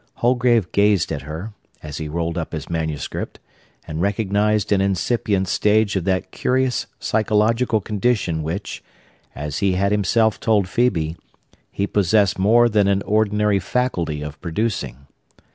Holgrave gazed at her, as he rolled up his manuscript, and recognized an incipient stage of that curious psychological condition which, as he had himself told Phœbe, he possessed more than an ordinary faculty of producing.